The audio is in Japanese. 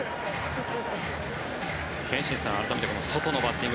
憲伸さん、改めてソトのバッティング。